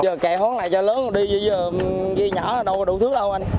giờ cải hoán lại cho lớn rồi đi giờ đi nhỏ đâu có đủ thứ đâu anh